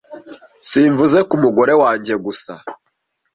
simvuze ku mugore wanjye gusa